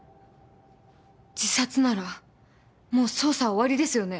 自殺ならもう捜査は終わりですよね？